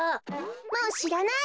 もうしらない！